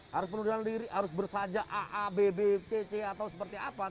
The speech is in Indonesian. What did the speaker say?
harus bersaja a a b b c c atau seperti apa